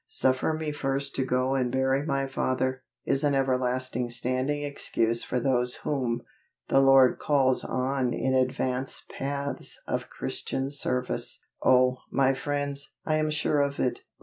"Suffer me first to go and bury my father," is an everlasting standing excuse for those whom, the Lord calls on in advance paths of Christian service! Oh, my friends, I am sure of it.